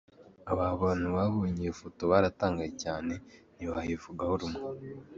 Abantu babonye iyo foto baratangaye cyane ntibayivugaho rumwe.